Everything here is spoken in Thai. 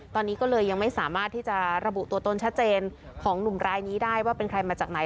ตอนนี้ก็เลยยังไม่สามารถที่จะระบุตัวตนชัดเจนของหนุ่มรายนี้ได้ว่าเป็นใครมาจากไหน